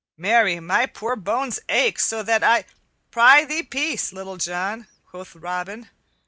Marry, my poor bones ache so that I " "Prythee peace, Little John," quoth Robin.